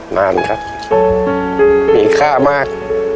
นานครับมีค่ามาก